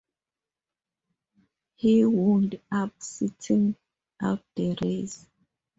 He wound up sitting out the race.